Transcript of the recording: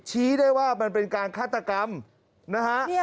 ชี้ได้ว่ามันเป็นการฆาตกรรมนะฮะ